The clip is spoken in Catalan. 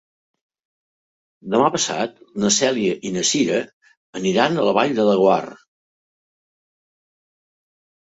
Demà passat na Cèlia i na Cira aniran a la Vall de Laguar.